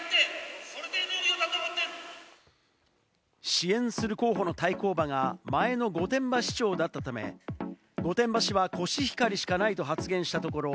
支援する候補の対抗馬が前の御殿場市長だったため、御殿場市はコシヒカリしかないと発言したところ、